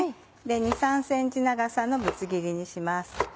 ２３ｃｍ長さのぶつ切りにします。